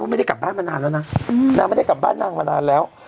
ไม่ได้กลับบ้านมานานแล้วนะนางไม่ได้กลับบ้านนางมานานแล้ว